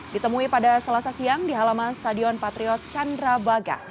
ditemui pada selasa siang di halaman stadion patriot candrabaga